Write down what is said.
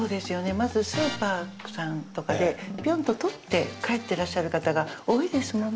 まずスーパーさんとかでぴょんと取って帰ってらっしゃる方が多いですもんね